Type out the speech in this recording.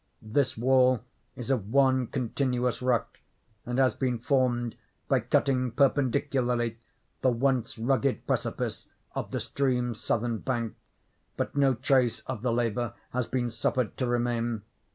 This wall is of one continuous rock, and has been formed by cutting perpendicularly the once rugged precipice of the stream's southern bank, but no trace of the labor has been suffered to remain.